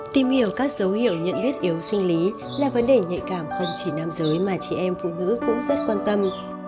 tìm hiểu các dấu hiệu nhận biết yếu sinh lý là vấn đề nhạy cảm không chỉ nam giới mà chị em phụ nữ cũng rất quan tâm